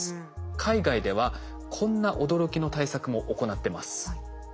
海外ではこんな驚きの対策も行ってます。